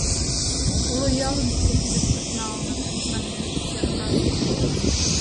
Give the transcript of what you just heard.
— Уло ялым шке кидышкышт налыныт, — мане сержант.